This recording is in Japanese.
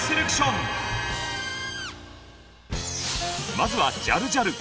まずはジャルジャル。